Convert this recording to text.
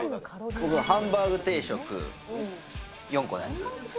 僕、ハンバーグ定食、４個のやつ。